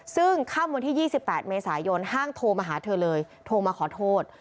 ซึ่งค่ำวันที่๒๘เมษายนห้างโทรมาหาเธอเลยโทรมาขอโทษ